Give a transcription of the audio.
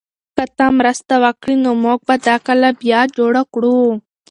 که ته مرسته وکړې نو موږ به دا کلا بیا جوړه کړو.